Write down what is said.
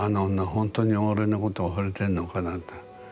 本当に俺のことほれてんのかな」って